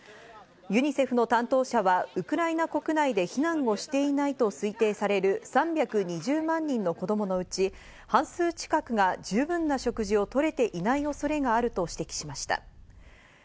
ユニセフの担当者はウクライナ国内で避難をしていないと推定される３２０万人の子供のうち、半数近くが十分な食事をとれていない恐れがあると指摘しました。